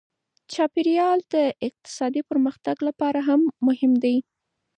چاپیریال د اقتصادي پرمختګ لپاره هم مهم دی.